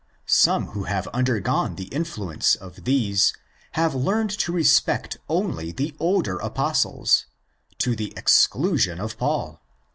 Some who have undergone the influence of these have learned to respect only the older Apostles, to the ex clusion of Paul (xi.